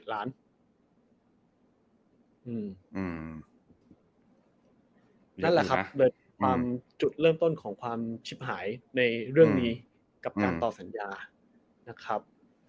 นั่นแหละครับโดยความจุดเริ่มต้นของความชิบหายในเรื่องนี้กับการต่อสัญญานะครับ